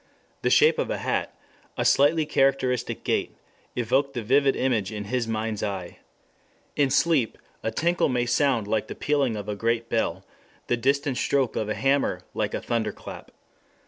The shape of a hat, a slightly characteristic gait, evoked the vivid picture in his mind's eye. In sleep a tinkle may sound like the pealing of a great bell; the distant stroke of a hammer like a thunderclap.